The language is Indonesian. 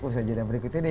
bisa jadi yang berikut ini